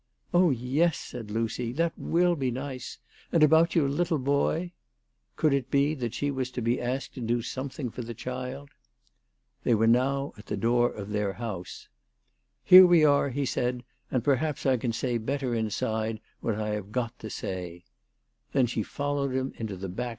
" Oh, yes," said Lucy, " that will be nice; and about your little boy ?" Could it be that she was to be asked to do something for the child ? They were now at the door of their house. " Here we are," he said, " and perhaps I can say better inside what I have got to say." Then she fol lowed him into the back?